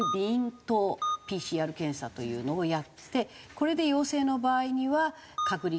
咽頭ＰＣＲ検査というのをやってこれで陽性の場合には隔離か入院出場不可。